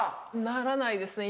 ならないですね